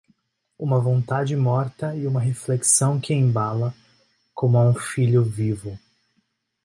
Uma vontade morta e uma reflexão que a embala, como a um filho vivo...